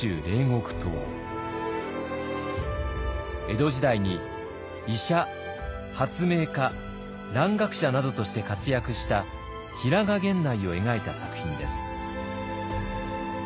江戸時代に医者発明家蘭学者などとして活躍した平賀源内を描いた作品です。